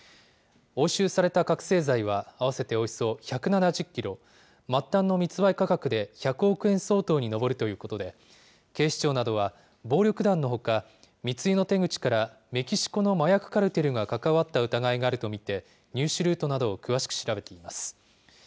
押収された覚醒剤は合わせておよそ１７０キロ、末端の密売価格で１００億円相当に上るということで、警視庁などは、暴力団のほか、密輸の手口から、メキシコの麻薬カルテルが関わった疑いがあると見て、入手ルートなどを詳しく調べています。